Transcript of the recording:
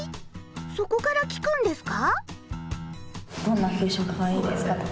そこから聞くんですか？